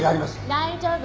大丈夫。